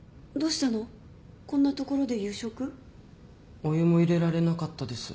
お湯も入れられなかったです。